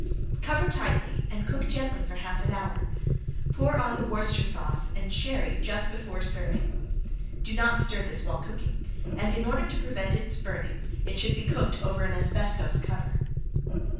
Cover tightly and let cook gently for half an hour. Pour on the Worcestershire sauce and sherry just before serving. Do not stir this while cooking, and in order to prevent its burning it should be cooked over an asbestos cover.